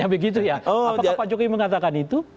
apakah pak jokowi mengatakan itu